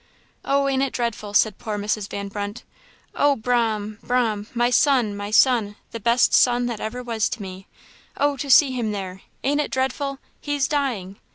"Oh, ain't it dreadful!" said poor Mrs. Van Brunt; "oh,'Brahm, 'Brahm! My son, my son! the best son that ever was to me oh, to see him there; ain't it dreadful? he's dying!"